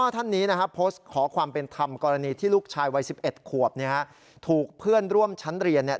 ทำกรณีที่ลูกชายวัย๑๑ขวบถูกเพื่อนร่วมชั้นเรียน